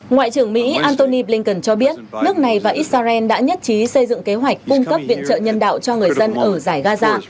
ngoại trưởng mỹ antony blinken cho biết nước này và israel đã nhất trí xây dựng kế hoạch cung cấp viện trợ nhân đạo cho người dân ở giải gaza